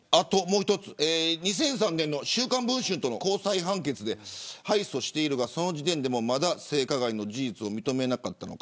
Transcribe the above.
２００３年の週刊文春との高裁判決で敗訴していますがその時点でまだ性加害の事実を認めなかったのか。